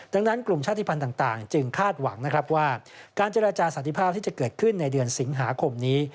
ดังนั้นกลุ่มชาติภัณฑ์ต่างจึงคาดหวังนะครับว่าการเจรจาสันติภาพที่จะเกิดขึ้นในเดือนสิงหาคมนี้